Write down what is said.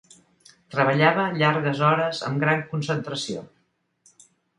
Treballava "llargues hores amb gran concentració".